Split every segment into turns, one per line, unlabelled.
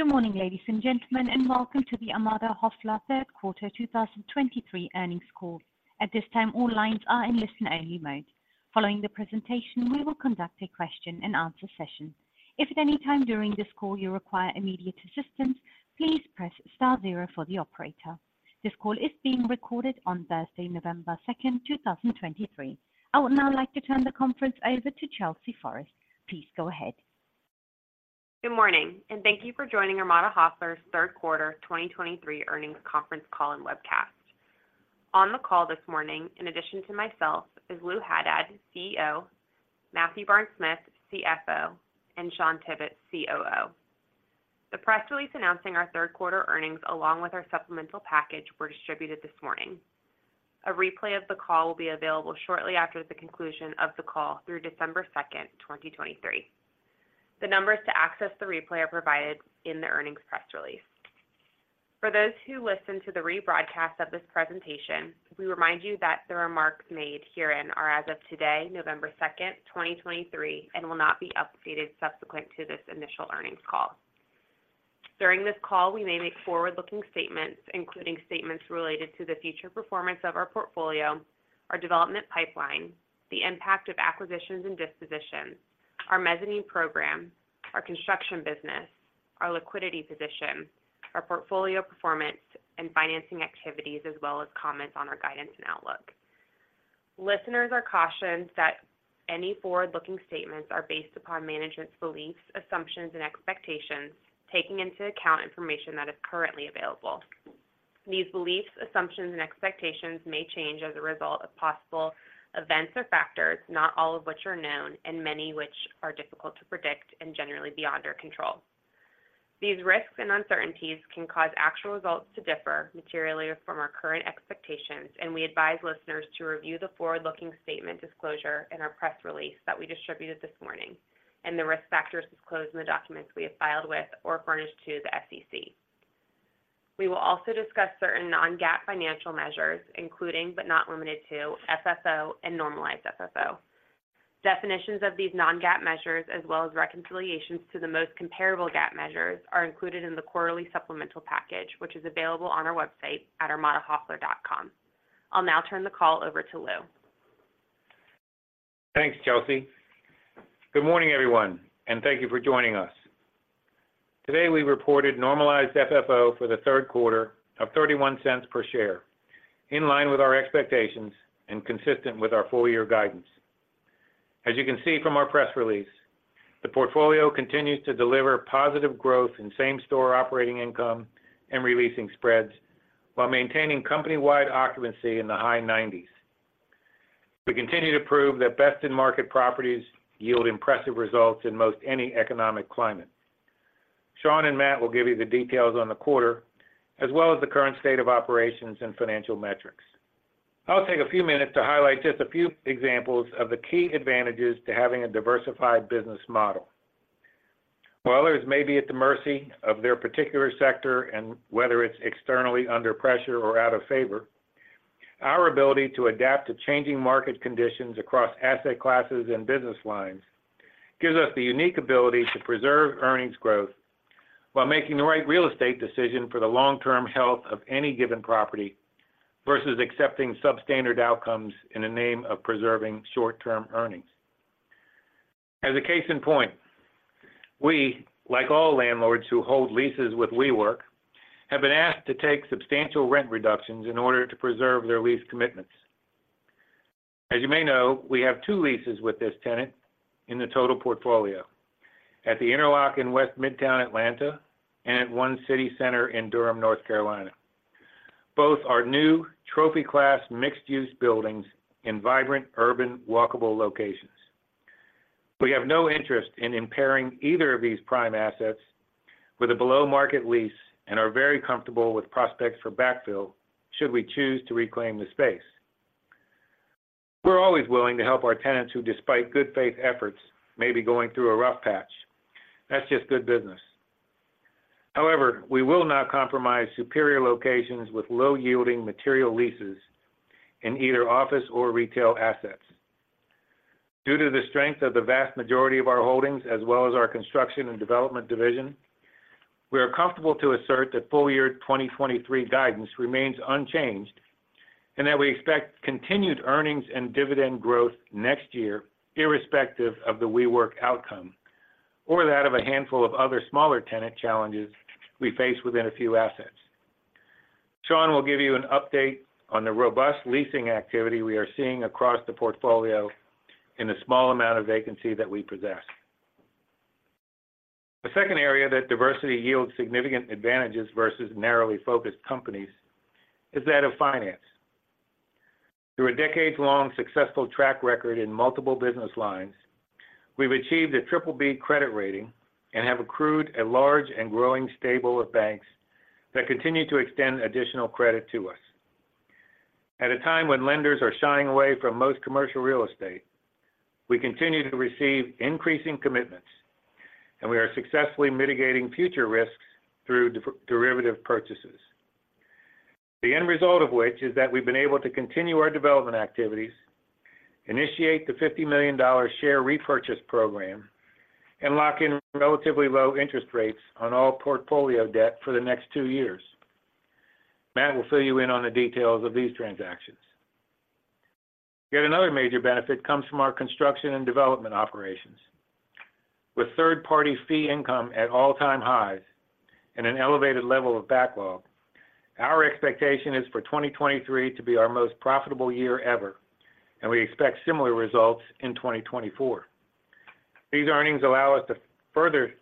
Good morning, ladies and gentlemen, and welcome to the Armada Hoffler Third Quarter 2023 Earnings Call. At this time, all lines are in listen-only mode. Following the presentation, we will conduct a question-and-answer session. If at any time during this call you require immediate assistance, please press star zero for the operator. This call is being recorded on Thursday, November 2, 2023. I would now like to turn the conference over to Chelsea Forrest. Please go ahead.
Good morning, and thank you for joining Armada Hoffler's third quarter 2023 earnings conference call and webcast. On the call this morning, in addition to myself, is Lou Haddad, CEO, Matthew Barnes-Smith, CFO, and Shawn Tibbetts, COO. The press release announcing our third quarter earnings, along with our supplemental package, were distributed this morning. A replay of the call will be available shortly after the conclusion of the call through December 2, 2023. The numbers to access the replay are provided in the earnings press release. For those who listen to the rebroadcast of this presentation, we remind you that the remarks made herein are as of today, November 2, 2023, and will not be updated subsequent to this initial earnings call. During this call, we may make forward-looking statements, including statements related to the future performance of our portfolio, our development pipeline, the impact of acquisitions and dispositions, our mezzanine program, our construction business, our liquidity position, our portfolio performance and financing activities, as well as comments on our guidance and outlook. Listeners are cautioned that any forward-looking statements are based upon management's beliefs, assumptions, and expectations, taking into account information that is currently available. These beliefs, assumptions, and expectations may change as a result of possible events or factors, not all of which are known, and many which are difficult to predict and generally beyond our control. These risks and uncertainties can cause actual results to differ materially from our current expectations, and we advise listeners to review the forward-looking statement disclosure in our press release that we distributed this morning and the risk factors disclosed in the documents we have filed with or furnished to the SEC. We will also discuss certain non-GAAP financial measures, including, but not limited to, FFO and normalized FFO. Definitions of these non-GAAP measures, as well as reconciliations to the most comparable GAAP measures, are included in the quarterly supplemental package, which is available on our website at armadahoffler.com. I'll now turn the call over to Lou.
Thanks, Chelsea. Good morning, everyone, and thank you for joining us. Today, we reported normalized FFO for the third quarter of $0.31 per share, in line with our expectations and consistent with our full-year guidance. As you can see from our press release, the portfolio continues to deliver positive growth in same-store operating income and releasing spreads while maintaining company-wide occupancy in the high 90s. We continue to prove that best-in-market properties yield impressive results in most any economic climate. Shawn and Matt will give you the details on the quarter, as well as the current state of operations and financial metrics. I'll take a few minutes to highlight just a few examples of the key advantages to having a diversified business model. While others may be at the mercy of their particular sector and whether it's externally under pressure or out of favor, our ability to adapt to changing market conditions across asset classes and business lines gives us the unique ability to preserve earnings growth while making the right real estate decision for the long-term health of any given property, versus accepting substandard outcomes in the name of preserving short-term earnings. As a case in point, we, like all landlords who hold leases with WeWork, have been asked to take substantial rent reductions in order to preserve their lease commitments. As you may know, we have two leases with this tenant in the total portfolio: at The Interlock in West Midtown, Atlanta, and at One City Center in Durham, North Carolina. Both are new, trophy-class, mixed-use buildings in vibrant, urban, walkable locations. We have no interest in impairing either of these prime assets with a below-market lease and are very comfortable with prospects for backfill should we choose to reclaim the space. We're always willing to help our tenants who, despite good faith efforts, may be going through a rough patch. That's just good business. However, we will not compromise superior locations with low-yielding material leases in either office or retail assets. Due to the strength of the vast majority of our holdings, as well as our construction and development division, we are comfortable to assert that full-year 2023 guidance remains unchanged and that we expect continued earnings and dividend growth next year, irrespective of the WeWork outcome or that of a handful of other smaller tenant challenges we face within a few assets. Shawn will give you an update on the robust leasing activity we are seeing across the portfolio in the small amount of vacancy that we possess. The second area that diversity yields significant advantages versus narrowly focused companies is that of finance. Through a decades-long, successful track record in multiple business lines, we've achieved a triple B credit rating and have accrued a large and growing stable of banks that continue to extend additional credit to us. At a time when lenders are shying away from most commercial real estate, we continue to receive increasing commitments, and we are successfully mitigating future risks through derivative purchases. The end result of which is that we've been able to continue our development activities, initiate the $50 million share repurchase program, and lock in relatively low interest rates on all portfolio debt for the next two years. Matt will fill you in on the details of these transactions. Yet another major benefit comes from our construction and development operations. With third-party fee income at all-time highs and an elevated level of backlog, our expectation is for 2023 to be our most profitable year ever, and we expect similar results in 2024. These earnings allow us to further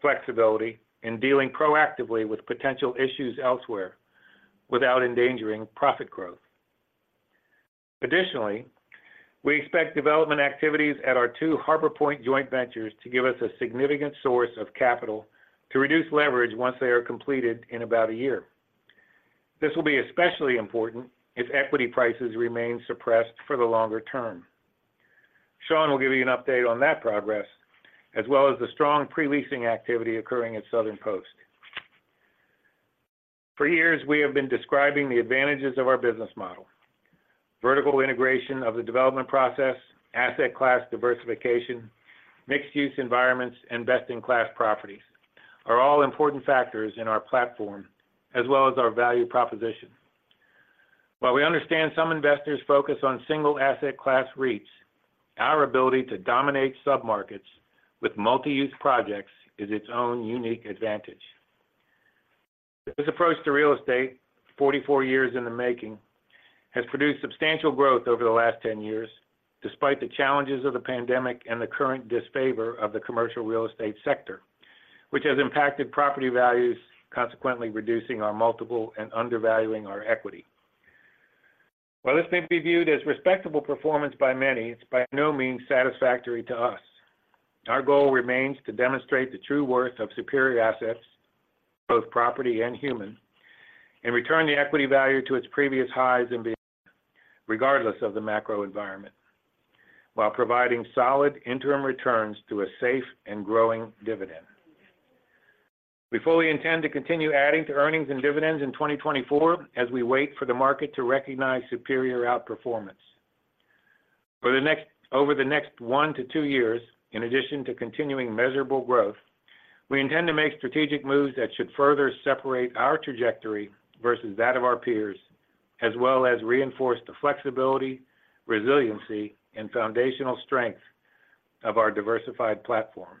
flexibility in dealing proactively with potential issues elsewhere without endangering profit growth. Additionally, we expect development activities at our two Harbor Point joint ventures to give us a significant source of capital to reduce leverage once they are completed in about a year. This will be especially important if equity prices remain suppressed for the longer term. Shawn will give you an update on that progress, as well as the strong pre-leasing activity occurring at Southern Post. For years, we have been describing the advantages of our business model. Vertical integration of the development process, asset class diversification, mixed-use environments, and best-in-class properties are all important factors in our platform, as well as our value proposition. While we understand some investors focus on single asset class REITs, our ability to dominate submarkets with multi-use projects is its own unique advantage. This approach to real estate, 44 years in the making, has produced substantial growth over the last 10 years, despite the challenges of the pandemic and the current disfavor of the commercial real estate sector, which has impacted property values, consequently reducing our multiple and undervaluing our equity. While this may be viewed as respectable performance by many, it's by no means satisfactory to us. Our goal remains to demonstrate the true worth of superior assets, both property and human, and return the equity value to its previous highs and beyond, regardless of the macro environment, while providing solid interim returns to a safe and growing dividend. We fully intend to continue adding to earnings and dividends in 2024 as we wait for the market to recognize superior outperformance. Over the next 1-2 years, in addition to continuing measurable growth, we intend to make strategic moves that should further separate our trajectory versus that of our peers, as well as reinforce the flexibility, resiliency, and foundational strength of our diversified platform.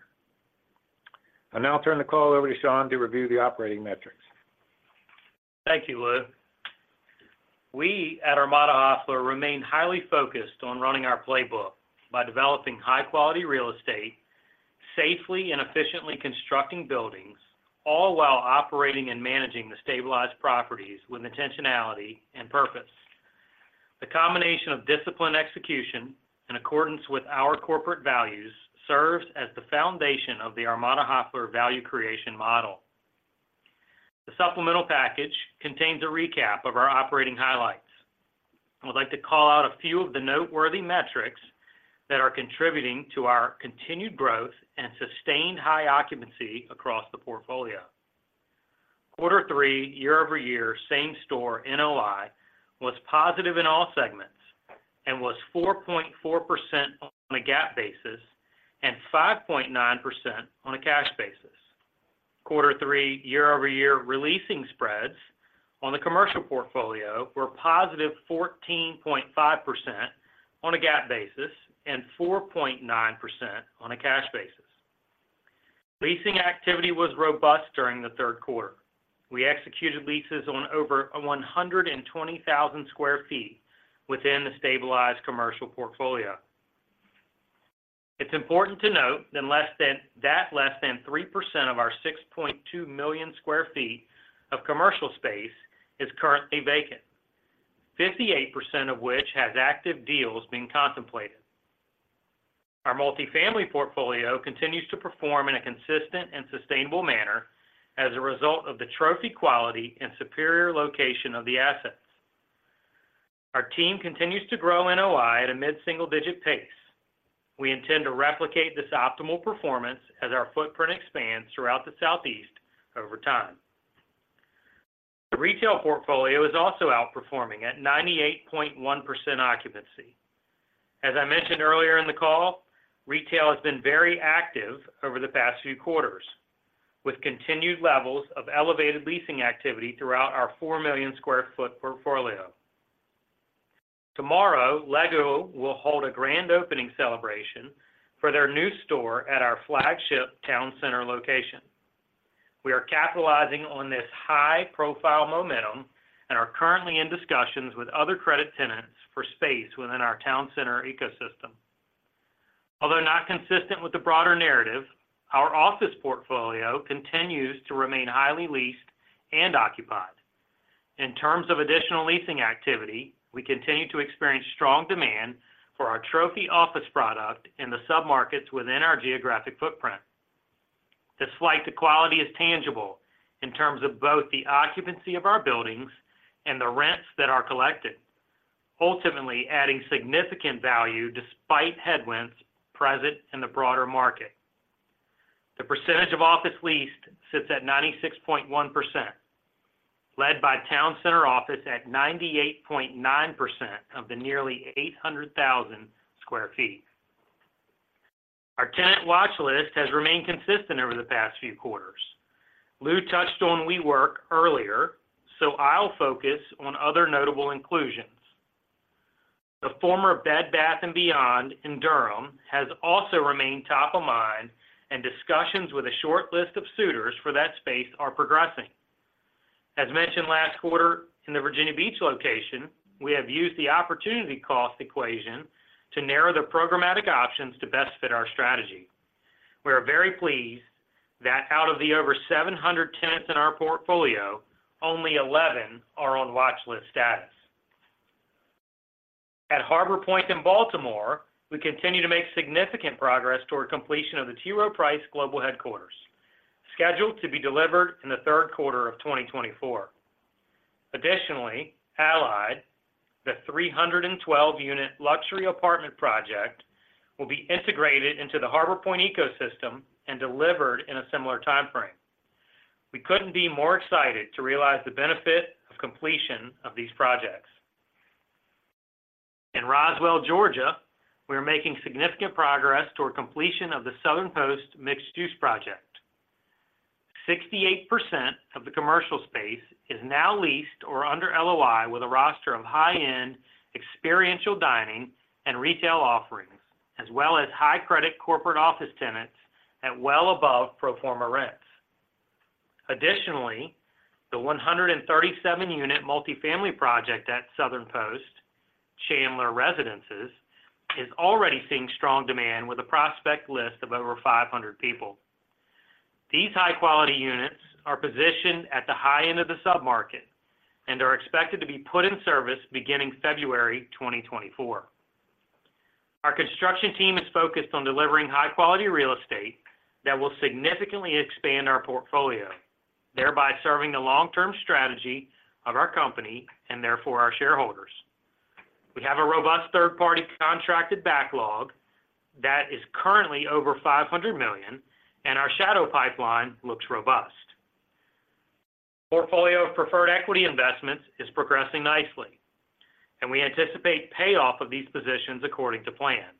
I'll now turn the call over to Shawn to review the operating metrics.
Thank you, Lou. We at Armada Hoffler remain highly focused on running our playbook by developing high-quality real estate, safely and efficiently constructing buildings, all while operating and managing the stabilized properties with intentionality and purpose. The combination of disciplined execution in accordance with our corporate values serves as the foundation of the Armada Hoffler value creation model. The supplemental package contains a recap of our operating highlights. I would like to call out a few of the noteworthy metrics that are contributing to our continued growth and sustained high occupancy across the portfolio. Quarter three, year-over-year, Same-Store NOI was positive in all segments and was 4.4% on a GAAP basis, and 5.9% on a cash basis. Quarter three, year-over-year releasing spreads on the commercial portfolio were positive 14.5% on a GAAP basis, and 4.9% on a cash basis. Leasing activity was robust during the third quarter. We executed leases on over 120,000 sq ft within the stabilized commercial portfolio. It's important to note that less than 3% of our 6.2 million sq ft of commercial space is currently vacant. 58% of which has active deals being contemplated. Our multifamily portfolio continues to perform in a consistent and sustainable manner as a result of the trophy quality and superior location of the assets. Our team continues to grow NOI at a mid-single-digit pace. We intend to replicate this optimal performance as our footprint expands throughout the Southeast over time. The retail portfolio is also outperforming at 98.1% occupancy. As I mentioned earlier in the call, retail has been very active over the past few quarters, with continued levels of elevated leasing activity throughout our 4 million sq ft portfolio. Tomorrow, LEGO will hold a grand opening celebration for their new store at our flagship Town Center location. We are capitalizing on this high-profile momentum and are currently in discussions with other credit tenants for space within our Town Center ecosystem. Although not consistent with the broader narrative, our office portfolio continues to remain highly leased and occupied. In terms of additional leasing activity, we continue to experience strong demand for our trophy office product in the submarkets within our geographic footprint. The flight to quality is tangible in terms of both the occupancy of our buildings and the rents that are collected, ultimately adding significant value despite headwinds present in the broader market. The percentage of office leased sits at 96.1%, led by Town Center Office at 98.9% of the nearly 800,000 sq ft. Our tenant watch list has remained consistent over the past few quarters. Lou touched on WeWork earlier, so I'll focus on other notable inclusions. The former Bed Bath & Beyond in Durham has also remained top of mind, and discussions with a short list of suitors for that space are progressing. As mentioned last quarter, in the Virginia Beach location, we have used the opportunity cost equation to narrow the programmatic options to best fit our strategy. We are very pleased that out of the over 700 tenants in our portfolio, only 11 are on watchlist status. At Harbor Point in Baltimore, we continue to make significant progress toward completion of the T. Rowe Price global headquarters, scheduled to be delivered in the third quarter of 2024. Additionally, Allied, the 312-unit luxury apartment project, will be integrated into the Harbor Point ecosystem and delivered in a similar time frame. We couldn't be more excited to realize the benefit of completion of these projects. In Roswell, Georgia, we are making significant progress toward completion of the Southern Post mixed-use project. 68% of the commercial space is now leased or under LOI, with a roster of high-end experiential dining and retail offerings, as well as high credit corporate office tenants at well above pro forma rents. Additionally, the 137-unit multifamily project at Southern Post, Chandler Residences, is already seeing strong demand with a prospect list of over 500 people. These high-quality units are positioned at the high end of the submarket and are expected to be put in service beginning February 2024. Our construction team is focused on delivering high-quality real estate that will significantly expand our portfolio, thereby serving the long-term strategy of our company and therefore our shareholders. We have a robust third-party contracted backlog that is currently over $500 million, and our shadow pipeline looks robust. Portfolio of preferred equity investments is progressing nicely, and we anticipate payoff of these positions according to plan.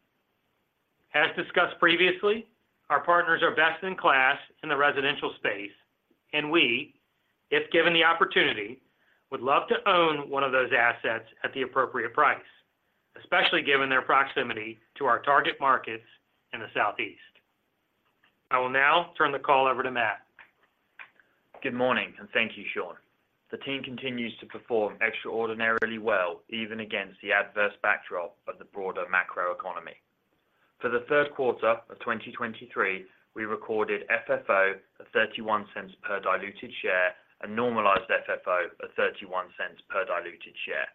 As discussed previously, our partners are best in class in the residential space, and we, if given the opportunity, would love to own one of those assets at the appropriate price, especially given their proximity to our target markets in the Southeast. I will now turn the call over to Matt.
Good morning, and thank you, Shawn. The team continues to perform extraordinarily well, even against the adverse backdrop of the broader macroeconomy. For the third quarter of 2023, we recorded FFO of $0.31 per diluted share and normalized FFO of $0.31 per diluted share,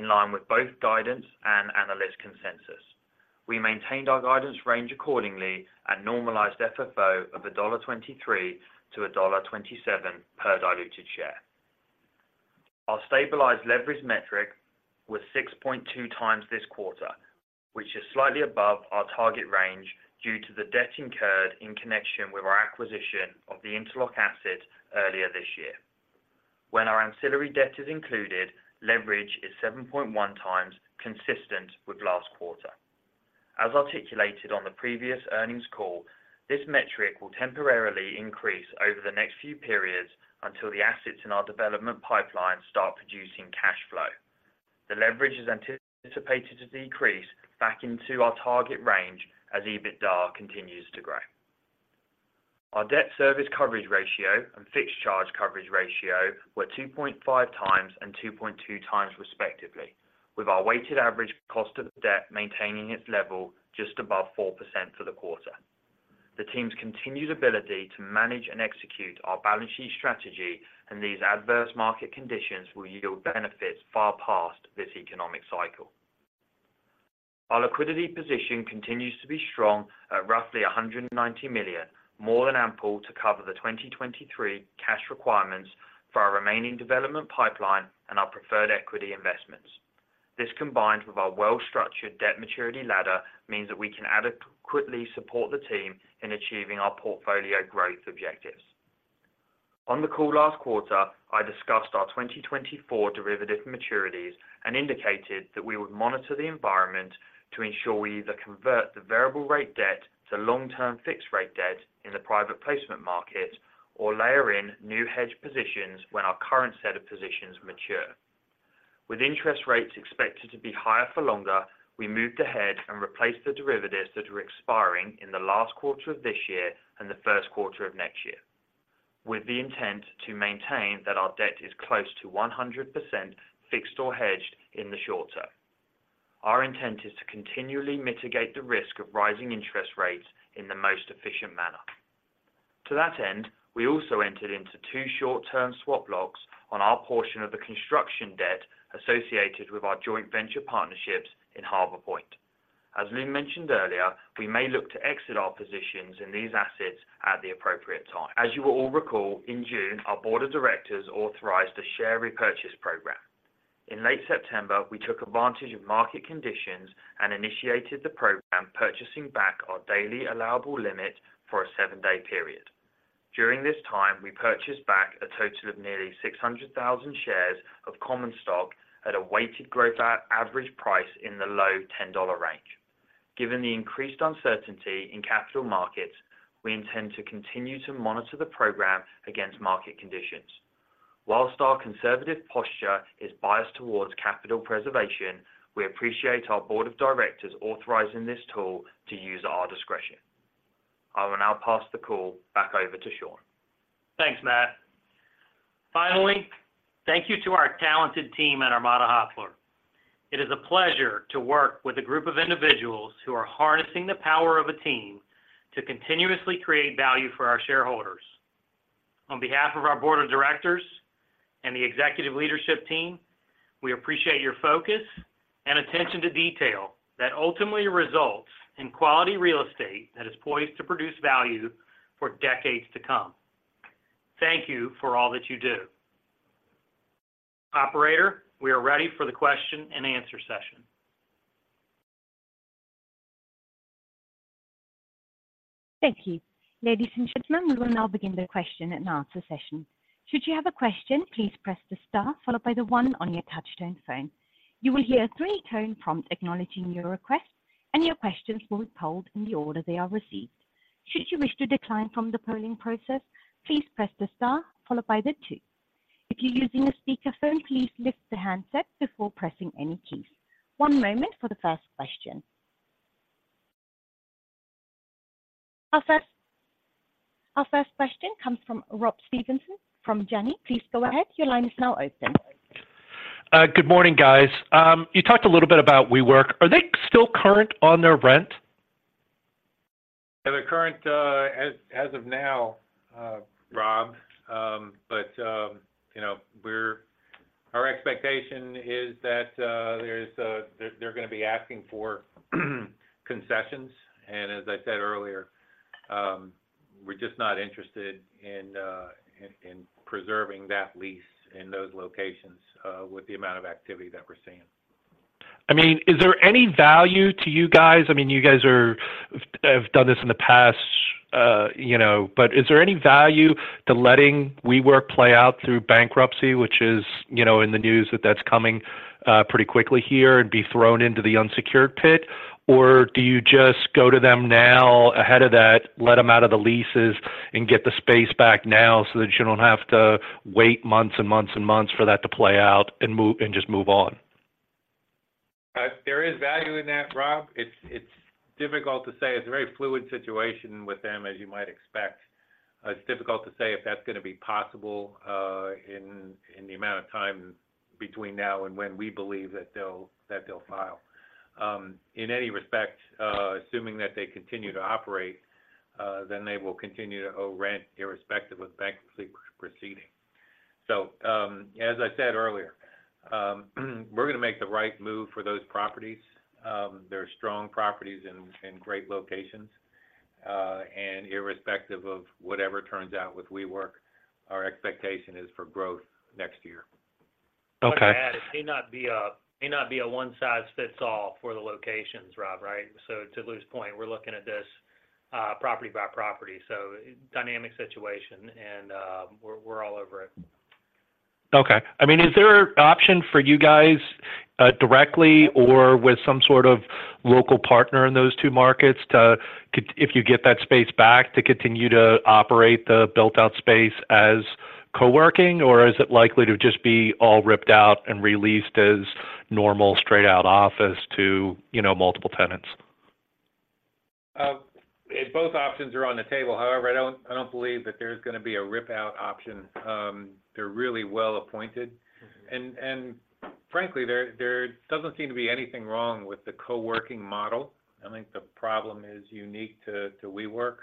in line with both guidance and analyst consensus. We maintained our guidance range accordingly at normalized FFO of $1.23-$1.27 per diluted share. Our stabilized leverage metric was 6.2x this quarter, which is slightly above our target range due to the debt incurred in connection with our acquisition of The Interlock asset earlier this year. When our ancillary debt is included, leverage is 7.1x, consistent with last quarter. As articulated on the previous earnings call, this metric will temporarily increase over the next few periods until the assets in our development pipeline start producing cash flow. The leverage is anticipated to decrease back into our target range as EBITDA continues to grow. Our debt service coverage ratio and fixed charge coverage ratio were 2.5 times and 2.2 times, respectively, with our weighted average cost of debt maintaining its level just above 4% for the quarter. The team's continued ability to manage and execute our balance sheet strategy in these adverse market conditions will yield benefits far past this economic cycle. Our liquidity position continues to be strong at roughly $190 million, more than ample to cover the 2023 cash requirements for our remaining development pipeline and our preferred equity investments. This, combined with our well-structured debt maturity ladder, means that we can adequately support the team in achieving our portfolio growth objectives. On the call last quarter, I discussed our 2024 derivative maturities and indicated that we would monitor the environment to ensure we either convert the variable rate debt to long-term fixed rate debt in the private placement market, or layer in new hedge positions when our current set of positions mature. With interest rates expected to be higher for longer, we moved ahead and replaced the derivatives that are expiring in the last quarter of this year and the first quarter of next year, with the intent to maintain that our debt is close to 100% fixed or hedged in the short term. Our intent is to continually mitigate the risk of rising interest rates in the most efficient manner. To that end, we also entered into two short-term swap blocks on our portion of the construction debt associated with our joint venture partnerships in Harbor Point. As Lou mentioned earlier, we may look to exit our positions in these assets at the appropriate time. As you will all recall, in June, our board of directors authorized a share repurchase program. In late September, we took advantage of market conditions and initiated the program, purchasing back our daily allowable limit for a seven-day period. During this time, we purchased back a total of nearly 600,000 shares of common stock at a weighted average price in the low $10 range. Given the increased uncertainty in capital markets, we intend to continue to monitor the program against market conditions. While our conservative posture is biased towards capital preservation, we appreciate our board of directors authorizing this tool to use our discretion. I will now pass the call back over to Shawn.
Thanks, Matt. Finally, thank you to our talented team at Armada Hoffler. It is a pleasure to work with a group of individuals who are harnessing the power of a team to continuously create value for our shareholders. On behalf of our board of directors and the executive leadership team, we appreciate your focus and attention to detail that ultimately results in quality real estate that is poised to produce value for decades to come. Thank you for all that you do. Operator, we are ready for the question and answer session.
Thank you. Ladies and gentlemen, we will now begin the question and answer session. Should you have a question, please press the star followed by the one on your touchtone phone. You will hear a three-tone prompt acknowledging your request, and your questions will be polled in the order they are received. Should you wish to decline from the polling process, please press the star followed by the two. If you're using a speakerphone, please lift the handset before pressing any keys. One moment for the first question. Our first question comes from Rob Stevenson from Janney. Please go ahead. Your line is now open.
Good morning, guys. You talked a little bit about WeWork. Are they still current on their rent?
They're current as of now, Rob. But you know, our expectation is that they're gonna be asking for concessions. And as I said earlier, we're just not interested in preserving that lease in those locations with the amount of activity that we're seeing.
I mean, is there any value to you guys? I mean, you guys have done this in the past, you know, but is there any value to letting WeWork play out through bankruptcy, which is, you know, in the news that that's coming pretty quickly here and be thrown into the unsecured pit? Or do you just go to them now ahead of that, let them out of the leases, and get the space back now so that you don't have to wait months and months and months for that to play out and just move on?
There is value in that, Rob. It's difficult to say. It's a very fluid situation with them, as you might expect. It's difficult to say if that's gonna be possible, in the amount of time between now and when we believe that they'll file. In any respect, assuming that they continue to operate, then they will continue to owe rent irrespective of bankruptcy proceeding. So, as I said earlier, we're gonna make the right move for those properties. They're strong properties in great locations, and irrespective of whatever turns out with WeWork, our expectation is for growth next year.
Okay.
I want to add, it may not be a one-size-fits-all for the locations, Rob, right? So to Lou's point, we're looking at this property by property, so dynamic situation, and we're all over it.
Okay. I mean, is there an option for you guys, directly or with some sort of local partner in those two markets to, if you get that space back, to continue to operate the built-out space as co-working, or is it likely to just be all ripped out and released as normal, straight-out office to, you know, multiple tenants?
Both options are on the table. However, I don't believe that there's gonna be a rip-out option. They're really well appointed. And frankly, there doesn't seem to be anything wrong with the co-working model. I think the problem is unique to WeWork,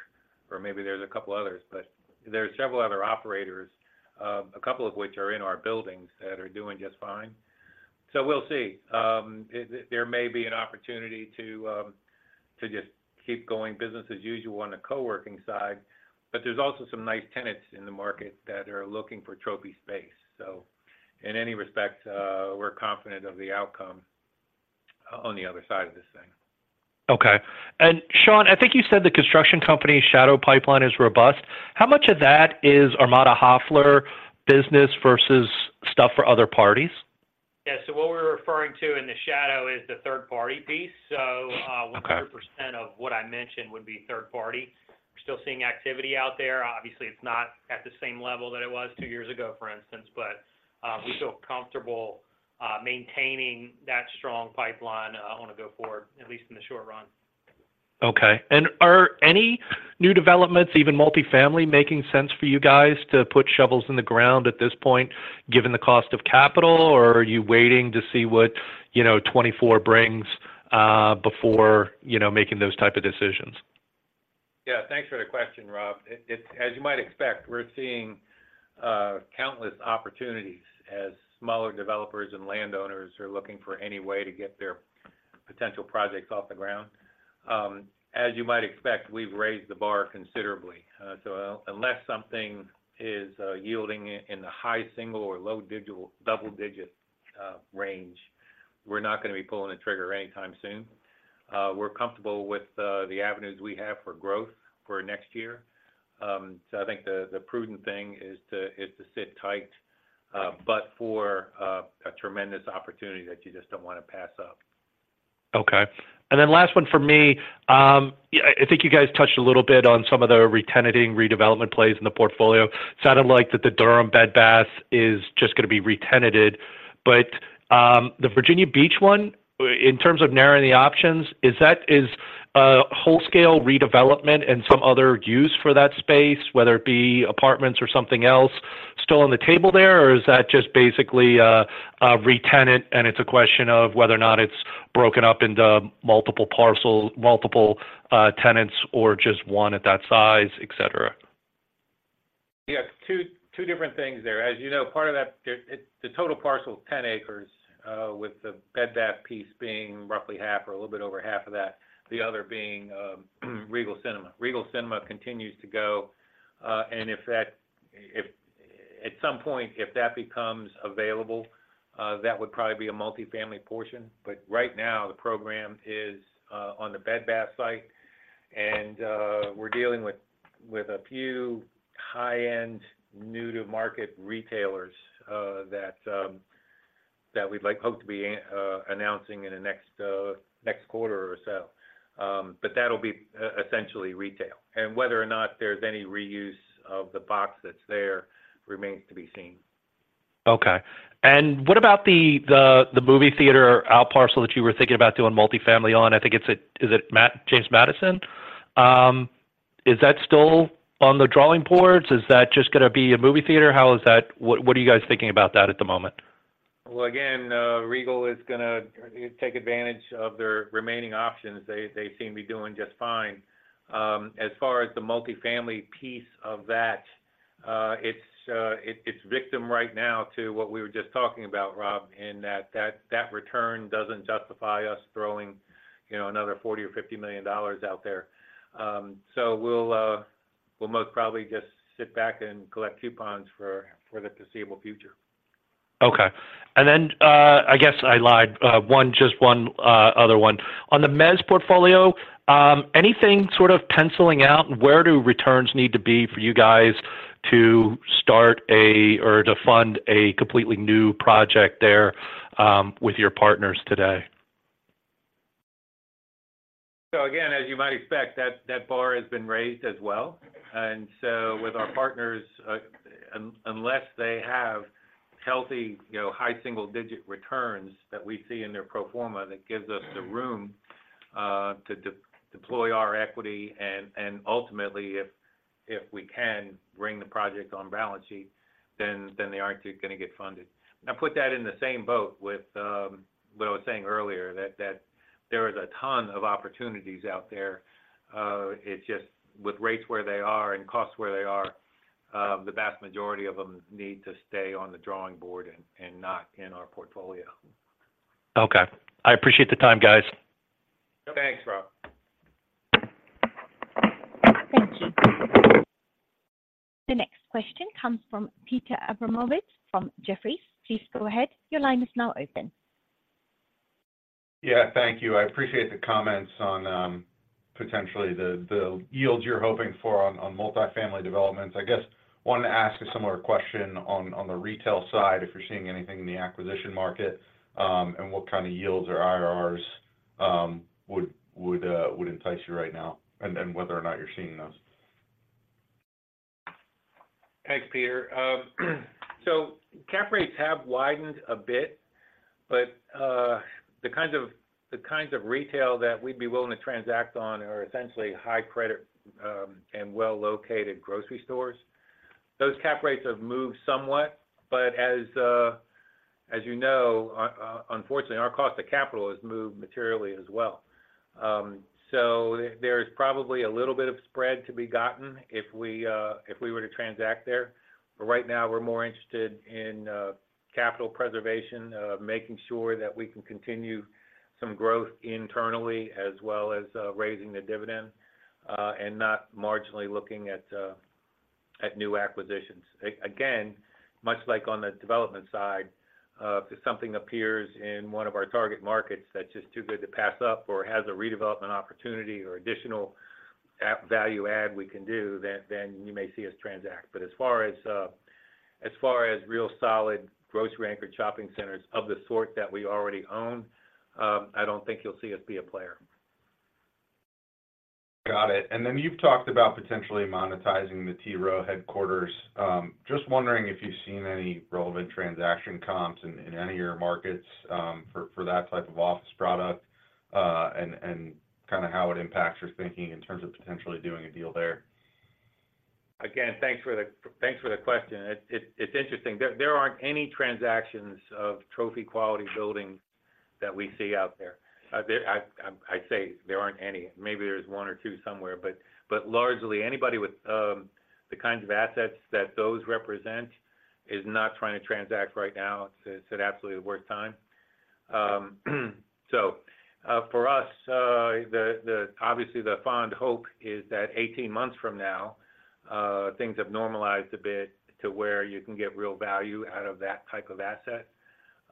or maybe there's a couple of others, but there are several other operators, a couple of which are in our buildings that are doing just fine. So we'll see. There may be an opportunity to just keep going business as usual on the co-working side, but there's also some nice tenants in the market that are looking for trophy space. So in any respect, we're confident of the outcome on the other side of this thing.
Okay. Shawn, I think you said the construction company's shadow pipeline is robust. How much of that is Armada Hoffler business versus stuff for other parties?
Yes. So what we're referring to in the shadow is the third-party piece.
Okay.
100% of what I mentioned would be third party. We're still seeing activity out there. Obviously, it's not at the same level that it was two years ago, for instance, but we feel comfortable maintaining that strong pipeline on a go forward, at least in the short run.
Okay. Are any new developments, even multifamily, making sense for you guys to put shovels in the ground at this point, given the cost of capital, or are you waiting to see what, you know, 2024 brings, before, you know, making those type of decisions?
Yeah, thanks for the question, Rob. It—as you might expect, we're seeing countless opportunities as smaller developers and landowners are looking for any way to get their potential projects off the ground. As you might expect, we've raised the bar considerably. So, unless something is yielding in the high single or low double-digit range, we're not gonna be pulling the trigger anytime soon. We're comfortable with the avenues we have for growth for next year. So I think the prudent thing is to sit tight, but for a tremendous opportunity that you just don't wanna pass up.
Okay. And then last one for me. Yeah, I think you guys touched a little bit on some of the retenanting, redevelopment plays in the portfolio. Sounded like that the Durham Bed Bath is just gonna be retenanted, but, the Virginia Beach one, in terms of narrowing the options, is that- is a whole scale redevelopment and some other use for that space, whether it be apartments or something else, still on the table there, or is that just basically a, a retenant, and it's a question of whether or not it's broken up into multiple parcel- multiple, tenants, or just one at that size, et cetera?
Yeah, two different things there. As you know, part of that, the total parcel is 10 acres, with the Bed Bath piece being roughly half or a little bit over half of that, the other being Regal Cinema. Regal Cinema continues to go, and if at some point that becomes available, that would probably be a multifamily portion, but right now, the program is on the Bed Bath site, and we're dealing with a few high-end, new-to-market retailers that we'd like hope to be announcing in the next quarter or so. But that'll be essentially retail. And whether or not there's any reuse of the box that's there remains to be seen.
Okay. And what about the movie theater out parcel that you were thinking about doing multifamily on? I think it's a, is it Matt- James Madison? Is that still on the drawing boards? Is that just gonna be a movie theater? How is that—what are you guys thinking about that at the moment?
Well, again, Regal is gonna take advantage of their remaining options. They seem to be doing just fine. As far as the multifamily piece of that, it's victim right now to what we were just talking about, Rob, and that return doesn't justify us throwing, you know, another $40 million or $50 million out there. So we'll most probably just sit back and collect coupons for the foreseeable future.
Okay. And then, I guess I lied. One, just one, other one. On the mezz portfolio, anything sort of penciling out? Where do returns need to be for you guys to start a, or to fund a completely new project there, with your partners today?
So again, as you might expect, that bar has been raised as well. And so with our partners, unless they have healthy, you know, high single-digit returns that we see in their pro forma, that gives us the room to deploy our equity, and ultimately, if we can bring the project on balance sheet, then they aren't gonna get funded. I put that in the same boat with what I was saying earlier, that there is a ton of opportunities out there. It just with rates where they are and costs where they are, the vast majority of them need to stay on the drawing board and not in our portfolio.
Okay. I appreciate the time, guys.
Thanks, Rob.
Thank you. The next question comes from Peter Abramowitz from Jefferies. Please go ahead. Your line is now open.
Yeah, thank you. I appreciate the comments on potentially the yields you're hoping for on multifamily developments. I guess I wanted to ask a similar question on the retail side, if you're seeing anything in the acquisition market, and what kind of yields or IRRs would entice you right now, and whether or not you're seeing those?
Thanks, Peter. So cap rates have widened a bit, but the kinds of retail that we'd be willing to transact on are essentially high credit and well-located grocery stores. Those cap rates have moved somewhat, but as you know, unfortunately, our cost of capital has moved materially as well. So there is probably a little bit of spread to be gotten if we were to transact there. But right now, we're more interested in capital preservation, making sure that we can continue some growth internally, as well as raising the dividend, and not marginally looking at new acquisitions. Again, much like on the development side, if something appears in one of our target markets that's just too good to pass up or has a redevelopment opportunity or additional value add we can do, then you may see us transact. But as far as real solid grocery anchor shopping centers of the sort that we already own, I don't think you'll see us be a player.
Got it. And then you've talked about potentially monetizing the T. Rowe headquarters. Just wondering if you've seen any relevant transaction comps in any of your markets, for that type of office product, and kind of how it impacts your thinking in terms of potentially doing a deal there?
Again, thanks for the question. It's interesting. There aren't any transactions of trophy quality buildings that we see out there. I'd say there aren't any. Maybe there's one or two somewhere, but largely anybody with the kinds of assets that those represent is not trying to transact right now. It's absolutely the worst time. So, for us, obviously the fond hope is that 18 months from now, things have normalized a bit to where you can get real value out of that type of asset.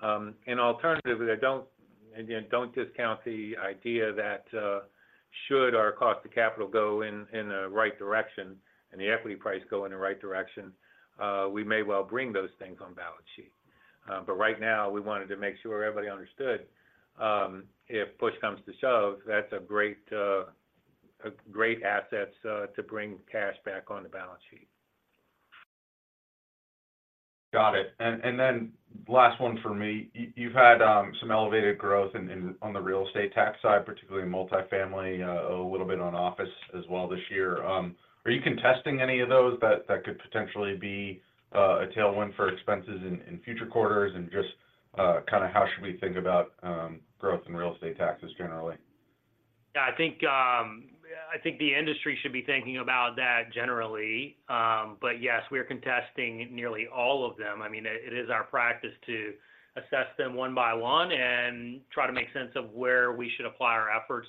And alternatively, I don't again don't discount the idea that should our cost of capital go in the right direction and the equity price go in the right direction, we may well bring those things on balance sheet. Right now, we wanted to make sure everybody understood, if push comes to shove, that's a great, a great asset to bring cash back on the balance sheet.
Got it. And then last one for me. You've had some elevated growth in on the real estate tax side, particularly multifamily, a little bit on office as well this year. Are you contesting any of those that could potentially be a tailwind for expenses in future quarters? And just kind of how should we think about growth in real estate taxes generally?
Yeah, I think the industry should be thinking about that generally. But yes, we are contesting nearly all of them. I mean, it is our practice to assess them one by one and try to make sense of where we should apply our efforts.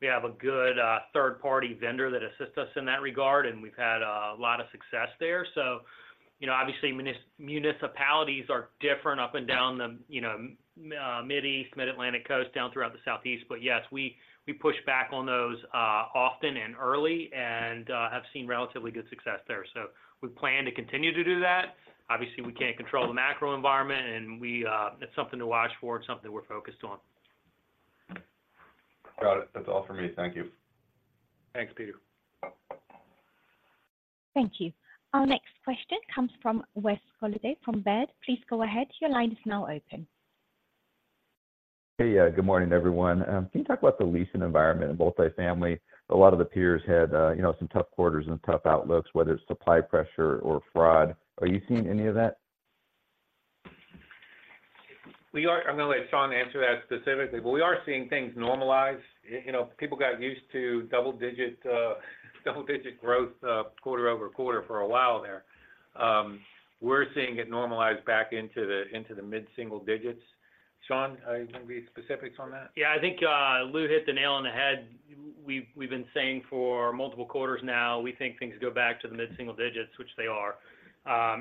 We have a good third-party vendor that assists us in that regard, and we've had a lot of success there. So, you know, obviously, municipalities are different up and down the, you know, Mid-Atlantic coast, down throughout the Southeast. But yes, we push back on those often and early and have seen relatively good success there. So we plan to continue to do that. Obviously, we can't control the macro environment, and we-- it's something to watch for. It's something we're focused on.
Got it. That's all for me. Thank you.
Thanks, Peter.
Thank you. Our next question comes from Wes Golladay from Baird. Please go ahead. Your line is now open.
Hey, good morning, everyone. Can you talk about the leasing environment in multifamily? A lot of the peers had, you know, some tough quarters and tough outlooks, whether it's supply pressure or fraud. Are you seeing any of that?
We are. I'm going to let Shawn answer that specifically, but we are seeing things normalize. You know, people got used to double-digit, double-digit growth, quarter over quarter for a while there. We're seeing it normalize back into the, into the mid-single digits. Shawn, you want to give specifics on that?
Yeah, I think Lou hit the nail on the head. We've been saying for multiple quarters now, we think things go back to the mid-single digits, which they are.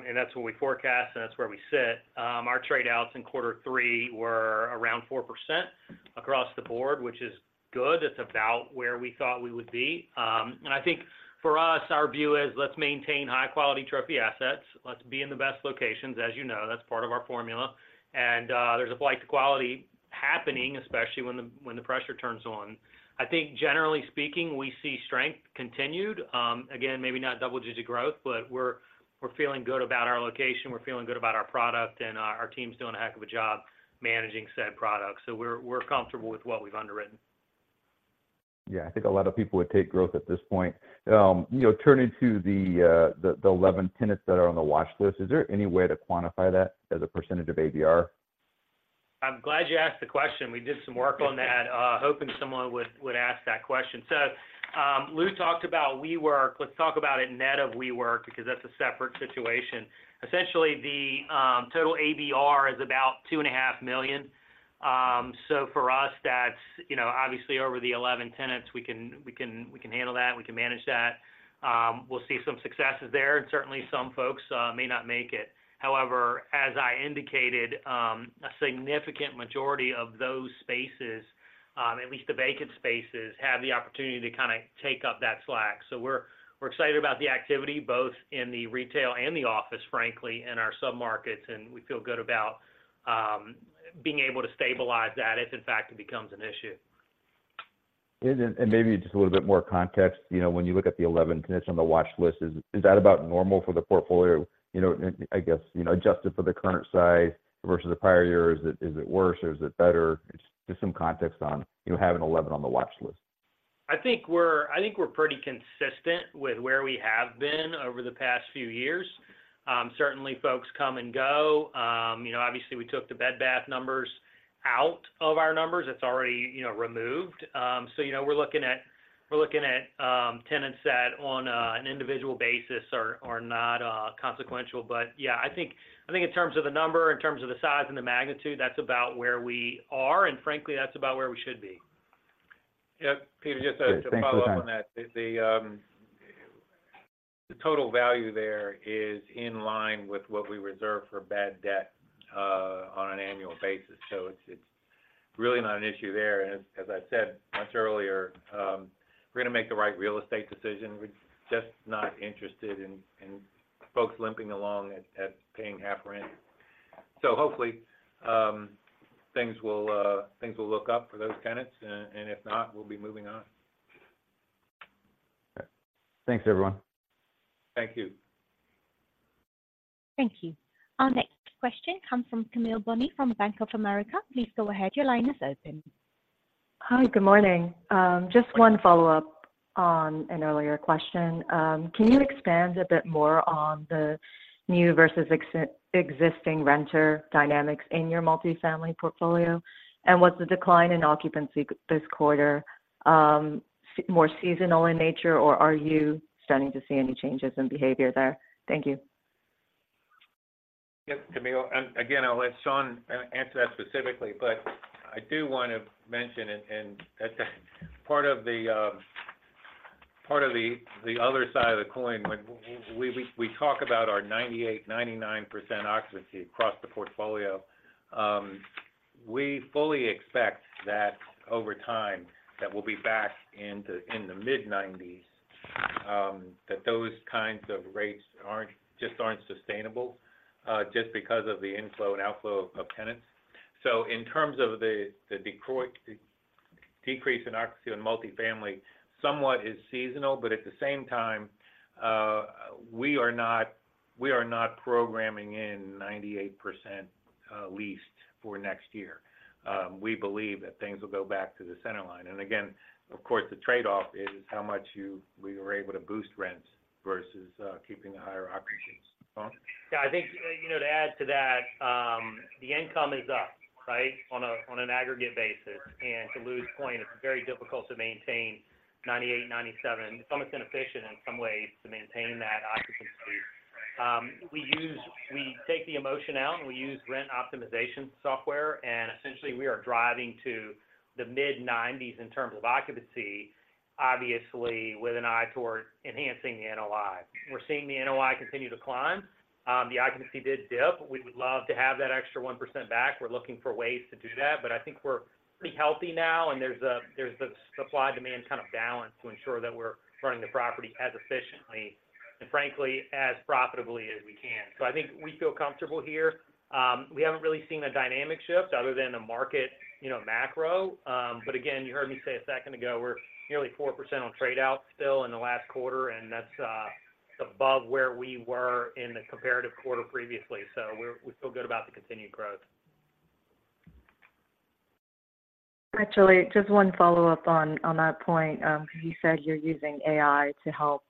And that's what we forecast, and that's where we sit. Our trade outs in quarter three were around 4% across the board, which is good. It's about where we thought we would be. And I think for us, our view is, let's maintain high-quality trophy assets. Let's be in the best locations. As you know, that's part of our formula. And there's a flight to quality happening, especially when the pressure turns on. I think generally speaking, we see strength continued. Again, maybe not double-digit growth, but we're feeling good about our location, we're feeling good about our product, and our team's doing a heck of a job managing said products. So we're comfortable with what we've underwritten.
Yeah, I think a lot of people would take growth at this point. You know, turning to the 11 tenants that are on the watch list, is there any way to quantify that as a percentage of AVR?
I'm glad you asked the question. We did some work on that, hoping someone would ask that question. So, Lou talked about WeWork. Let's talk about it net of WeWork, because that's a separate situation. Essentially, the total AVR is about $2.5 million. So for us, that's, you know, obviously over the 11 tenants, we can handle that, we can manage that. We'll see some successes there, and certainly, some folks may not make it. However, as I indicated, a significant majority of those spaces, at least the vacant spaces, have the opportunity to kind of take up that slack. So we're, we're excited about the activity, both in the retail and the office, frankly, in our submarkets, and we feel good about being able to stabilize that if in fact it becomes an issue.
And maybe just a little bit more context. You know, when you look at the 11 tenants on the watch list, is that about normal for the portfolio? You know, and I guess, you know, adjusted for the current size versus the prior year, is it worse or is it better? Just some context on you having 11 on the watch list.
I think we're pretty consistent with where we have been over the past few years. Certainly, folks come and go. You know, obviously, we took the Bed Bath numbers out of our numbers. It's already, you know, removed. So, you know, we're looking at tenants that on an individual basis are not consequential. But yeah, I think in terms of the number, in terms of the size and the magnitude, that's about where we are, and frankly, that's about where we should be.
Yeah, Peter, just-
Yeah, thanks.
To follow up on that. The total value there is in line with what we reserve for bad debt on an annual basis. So it's really not an issue there. And as I said much earlier, we're going to make the right real estate decision. We're just not interested in folks limping along at paying half rent. So hopefully, things will look up for those tenants, and if not, we'll be moving on.
Okay. Thanks, everyone.
Thank you.
Thank you. Our next question comes from Camille Bonnel from Bank of America. Please go ahead. Your line is open.
Hi, good morning. Just one follow-up. On an earlier question, can you expand a bit more on the new versus existing renter dynamics in your multifamily portfolio? And was the decline in occupancy this quarter, more seasonal in nature, or are you starting to see any changes in behavior there? Thank you.
Yes, Camille, and again, I'll let Shawn answer that specifically, but I do want to mention part of the other side of the coin, when we talk about our 98%-99% occupancy across the portfolio. We fully expect that over time, that we'll be back in the mid-90s. That those kinds of rates aren't just aren't sustainable, just because of the inflow and outflow of tenants. So in terms of the decrease in occupancy on multifamily, somewhat is seasonal, but at the same time, we are not programming in 98% leased for next year. We believe that things will go back to the centerline. And again, of course, the trade-off is how much you—we were able to boost rents versus keeping the higher occupancies. Shawn?
Yeah, I think, you know, to add to that, the income is up, right, on an aggregate basis. To Lou's point, it's very difficult to maintain 98, 97. It's almost inefficient in some ways to maintain that occupancy. We use, we take the emotion out, and we use rent optimization software, and essentially, we are driving to the mid-90s in terms of occupancy, obviously, with an eye toward enhancing the NOI. We're seeing the NOI continue to climb. The occupancy did dip. We would love to have that extra 1% back. We're looking for ways to do that, but I think we're pretty healthy now, and there's the supply-demand kind of balance to ensure that we're running the property as efficiently and frankly, as profitably as we can. So I think we feel comfortable here. We haven't really seen a dynamic shift other than the market, you know, macro. But again, you heard me say a second ago, we're nearly 4% on trade-out still in the last quarter, and that's above where we were in the comparative quarter previously. So we feel good about the continued growth.
Actually, just one follow-up on that point. You said you're using AI to help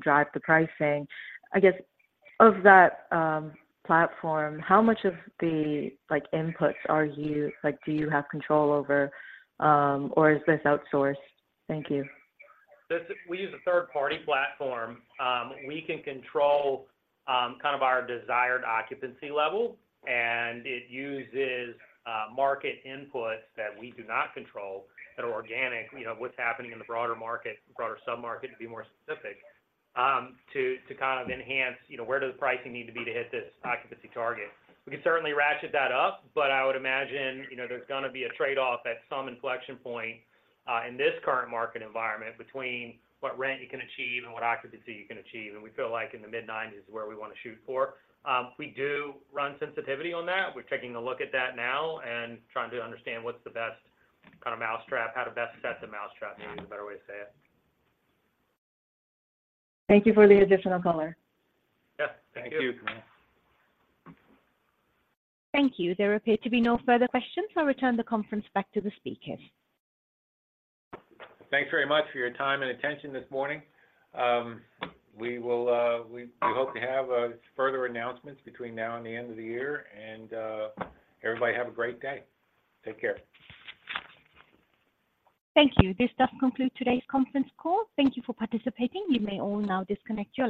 drive the pricing. I guess of that platform, how much of the like inputs are you like do you have control over or is this outsourced? Thank you.
This, we use a third-party platform. We can control, kind of our desired occupancy level, and it uses, market inputs that we do not control, that are organic, you know, what's happening in the broader market, broader sub-market, to be more specific, to kind of enhance, you know, where does the pricing need to be to hit this occupancy target. We can certainly ratchet that up, but I would imagine, you know, there's gonna be a trade-off at some inflection point, in this current market environment between what rent you can achieve and what occupancy you can achieve. And we feel like in the mid-nineties is where we want to shoot for. We do run sensitivity on that. We're taking a look at that now and trying to understand what's the best kind of mousetrap, how to best set the mousetrap, maybe is a better way to say it.
Thank you for the additional color.
Yeah. Thank you.
Thank you, Camille.
Thank you. There appear to be no further questions. I'll return the conference back to the speakers.
Thanks very much for your time and attention this morning. We will, we hope to have further announcements between now and the end of the year, and everybody have a great day. Take care.
Thank you. This does conclude today's conference call. Thank you for participating. You may all now disconnect your lines.